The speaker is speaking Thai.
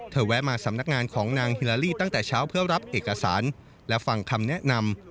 แวะมาสำนักงานของนางฮิลาลีตั้งแต่เช้าเพื่อรับเอกสารและฟังคำแนะนำ